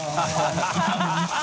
ハハハ